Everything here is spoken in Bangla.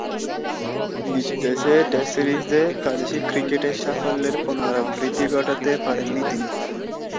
নিজদেশে টেস্ট সিরিজে প্রাদেশিক ক্রিকেটের সাফল্যের পুণরাবৃত্তি ঘটাতে পারেননি তিনি।